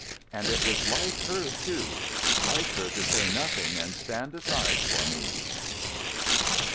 And it was like her, too—like her to say nothing and stand aside for me!"